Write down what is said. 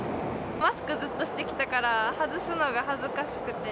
マスクずっとしてきたから、外すのが恥ずかしくて。